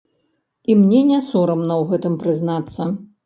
І мне не сорамна ў гэтым прызнацца.